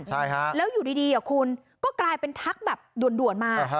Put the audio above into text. ใช่ฮะแล้วอยู่ดีคุณก็กลายเป็นทักแบบด่วนมา